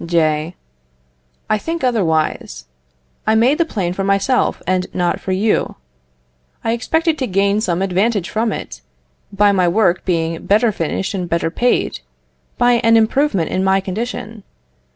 J. I think otherwise. I made the plane for myself, and not for you. I expected to gain some advantage from it, by my work being better finished and better paid, by an improvement in my condition.